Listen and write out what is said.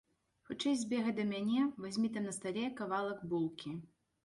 Хутчэй збегай да мяне, вазьмі там на стале кавалак булкі.